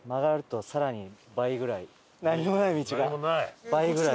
なんにもない道が倍ぐらい。